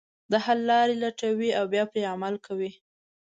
د حل لارې لټوي او بیا پرې عمل کوي.